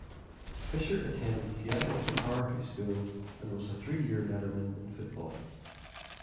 Fisher attended Seattle Preparatory School and was a three-year letterman in football.